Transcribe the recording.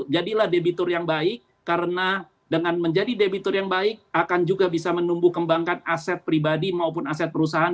jadilah debitur yang baik karena dengan menjadi debitur yang baik akan juga bisa menumbuh kembangkan aset pribadi maupun aset perusahaan